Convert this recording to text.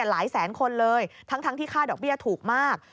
หลายคนเลยทั้งที่ค่าดอกเบี้ยถูกมาก